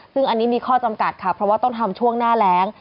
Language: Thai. ซึ่งอันนี้มีข้อจำกัดค่ะเพราะว่าต้องทำช่วงหน้าแรง